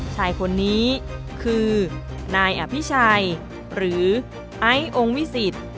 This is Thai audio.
ชายคนนี้คือนายอภิชัยหรือไอซ์องค์วิสิต